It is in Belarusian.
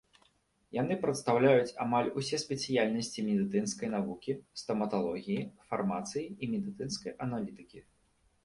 Яны прадстаўляюць амаль усе спецыяльнасці медыцынскай навукі, стаматалогіі, фармацыі і медыцынскай аналітыкі.